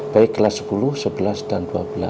baik kelas sepuluh sebelas dan dua belas